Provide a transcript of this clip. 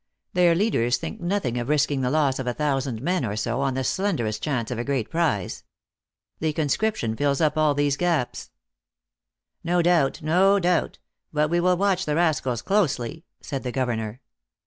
Their leaders think nothing of risking the loss of a thousand men or so, on the slenderest chance of a great prize. The conscription fills up all these gaps." " No doubt ; no doubt. But we will watch the rascals closely," said the governor.